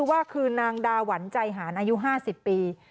ว่าคือนางดาหวันใจหารอายุ๕๐ปี